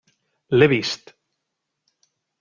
L'he vist.